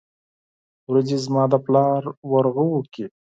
ورځې زما دپلار ورغوو کې